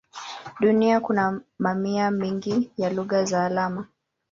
Duniani kuna mamia mengi ya lugha za alama.